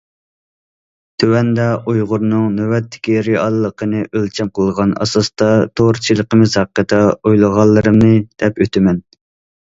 تۆۋەندە ئۇيغۇرنىڭ نۆۋەتتىكى رېئاللىقىنى ئۆلچەم قىلغان ئاساستا، تورچىلىقىمىز ھەققىدە ئويلىغانلىرىمنى دەپ ئۆتىمەن.